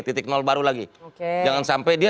titik nol baru lagi oke jangan sampai dia